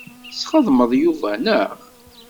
Tesxedmeḍ Yuba, naɣ?